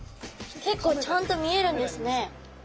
結構ちゃんと見えるんですね。